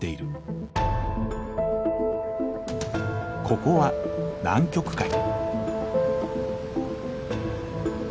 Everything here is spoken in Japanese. ここは南極海。